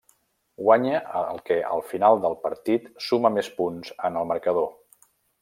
Guanya el que al final del partit suma més punt en el marcador.